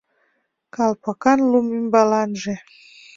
Калпакан лум ӱмбаланже